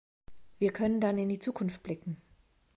Wir können dann in die Zukunft blicken.